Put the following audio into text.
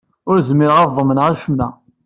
Ur zmireɣ ad ḍemneɣ acemma.